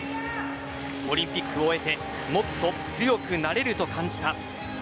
オリンピックを終えてもっと強くなれると感じた。